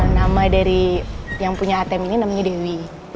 nama dari yang punya atm ini namanya dewi